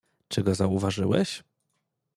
"Czy go zauważyłeś?"